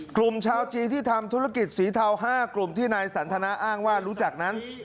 กลุ่มชาวจีนที่ทำธุรกิจสีเทา๕กลุ่มที่นายสันทนาอ้างว่ารู้จักนั้น